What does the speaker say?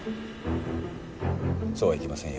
そうはいきませんよ。